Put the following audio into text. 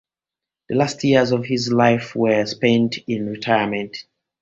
The last years of his life were spent in retirement.